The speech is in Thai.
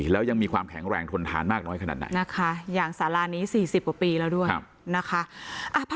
แล้วยังมีความแข็งแรงทนทานมากน้อยขนาดไหนนะคะอย่างสารานี้๔๐กว่าปีแล้วด้วยนะคะ